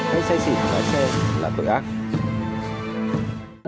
hay xe xịt thì lái xe là tội ác